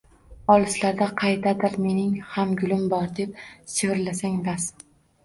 «Olislarda, qaydadir mening ham gulim bor», deb shivirlasang bas